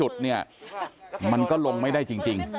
ที่อีกอยากไปเยี่ยมพวกพี่